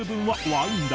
「ワイン樽？